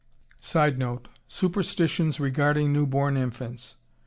[Sidenote: Superstitions regarding newborn infants.